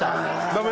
ダメ？